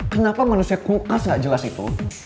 kenapa manusia kulkas gak jelas itu